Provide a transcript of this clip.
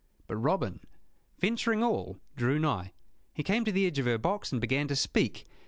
But Robin, venturing all, drew nigh. He came to the edge of her box, and began to speak.